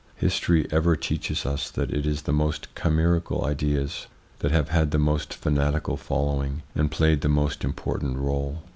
History ever teaches us that it is the most chimerical ideas that have had the most fanatical following and played the most important role.